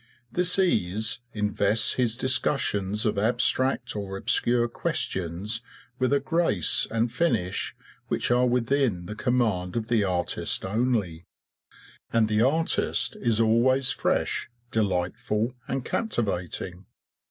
This ease invests his discussions of abstract or obscure questions with a grace and finish which are within the command of the artist only; and the artist is always fresh, delightful, and captivating.